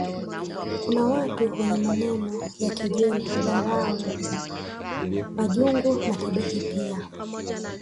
Kuna watu wenye maneno ya kejeli dhadhau majungu na kebehi pia